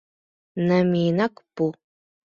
Намиенак пу!..